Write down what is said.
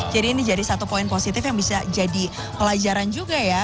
jadi ini jadi satu poin positif yang bisa jadi pelajaran juga ya